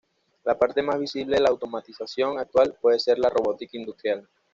La parte más visible de la automatización actual puede ser la robótica industrial.